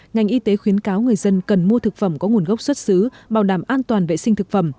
ngành y tế khuyến cáo người dân cần mua thực phẩm có nguồn gốc xuất xứ bảo đảm an toàn vệ sinh thực phẩm